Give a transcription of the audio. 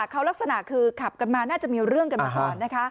เขาลักษณะคือขับกันมาน่าจะมีเรื่องกันมาก่อนนะคะ